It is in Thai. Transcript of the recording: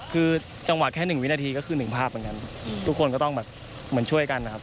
คือจังหวะแค่หนึ่งวินาทีก็คือหนึ่งภาพเหมือนกันทุกคนก็ต้องแบบเหมือนช่วยกันนะครับ